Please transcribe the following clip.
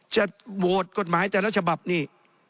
จะโหวตกฎหมายแต่ละฉบับนี่